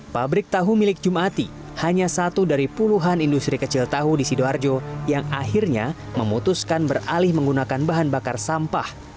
pabrik tahu milik ⁇ maati hanya satu dari puluhan industri kecil tahu di sidoarjo yang akhirnya memutuskan beralih menggunakan bahan bakar sampah